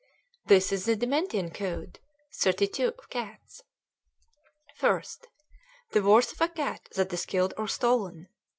This is the "Dimentian Code." XXXII. Of Cats. 1st. The worth of a cat that is killed or stolen.